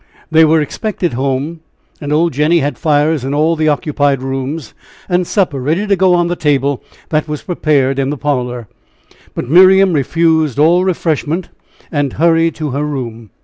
They were expected home, and old Jenny had fires in all the occupied rooms, and supper ready to go on the table, that was prepared in the parlor. But Miriam refused all refreshment, and hurried to her room.